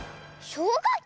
しょうかき！